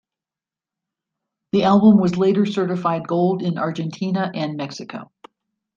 The album was later certified Gold in Argentina and Mexico.